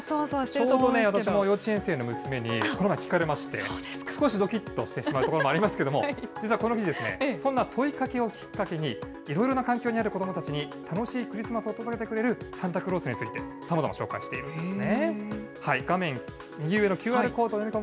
ちょうど私も、幼稚園生の娘に、この間、聞かれまして、少しどきっとしてしまうところもありますけれども、実はこの記事ですね、そんな問いかけをきっかけに、いろいろな環境にある子どもたちに、楽しいクリスマスを届けてくれるサンタクロースについて、さまざま、紹介しているんですね。